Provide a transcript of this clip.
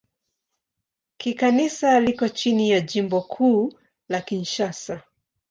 Kikanisa liko chini ya Jimbo Kuu la Kinshasa.